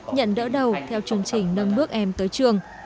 nhận đỡ đầu theo chương trình nâng bước em tới trường